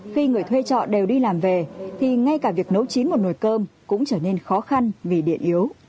khi người thuê trọ đều đi làm về thì ngay cả việc nấu chín một nồi cơm cũng trở nên khó khăn vì điện yếu